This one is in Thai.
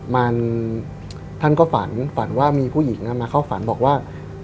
มันท่านก็ฝันฝันว่ามีผู้หญิงนะมาเข้าฝันบอกว่า